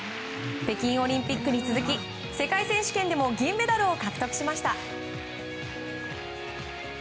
北京オリンピックに続き世界選手権でも銀メダルを獲得しました。